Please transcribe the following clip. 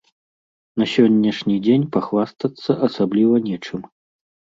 На сённяшні дзень пахвастацца асабліва нечым.